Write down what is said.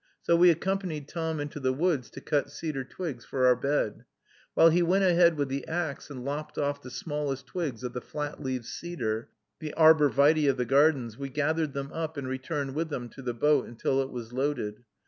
So we accompanied Tom into the woods to cut cedar twigs for our bed. While he went ahead with the axe and lopped off the smallest twigs of the flat leaved cedar, the arbor vitæ of the gardens, we gathered them up, and returned with them to the boat, until it was loaded.